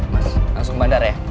mas langsung bandar ya